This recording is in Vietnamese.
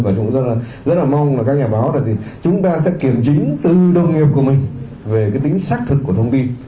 và chúng tôi rất là mong là các nhà báo là chúng ta sẽ kiểm chứng từ đồng nghiệp của mình về cái tính xác thực của thông tin